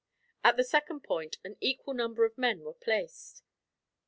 At the second point an equal number of men were placed.